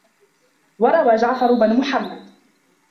وَرَوَى جَعْفَرُ بْنُ مُحَمَّدٍ